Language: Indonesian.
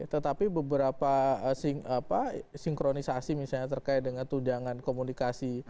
tetapi beberapa sinkronisasi misalnya terkait dengan tujangan komunikasi